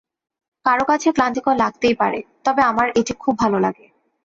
কারও কাছে ক্লান্তিকর লাগতেই পারে, তবে আমার এটি খুব ভালো লাগে।